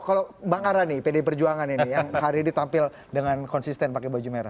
kalau bang arani pdi perjuangan ini yang hari ini tampil dengan konsisten pakai baju merah